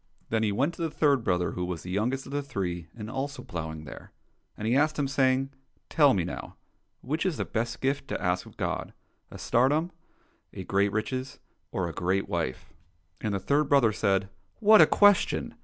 Then he went to the third brother, who was the youngest of the three, and also ploughing there. And he asked him, saying, " Tell me, now, which is the best gift to ask of God : a tsardom, or great riches, or a good wife ?"— ^And the third brother said, " What a ques tion